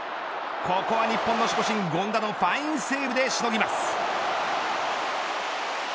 ここ日本の守護神、権田のファインセーブでしのぎます。